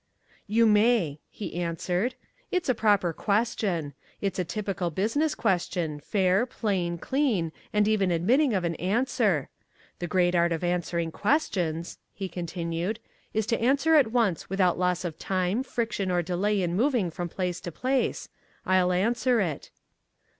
"You may," he answered. "It's a proper question. It's a typical business question, fair, plain, clean, and even admitting of an answer. The great art of answering questions," he continued, "is to answer at once without loss of time, friction or delay in moving from place to place. I'll answer it."